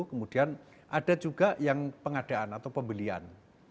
kemudian ada juga yang pengadaan atau pembelian